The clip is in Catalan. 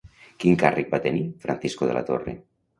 Quin càrrec va tenir Francisco De la Torre?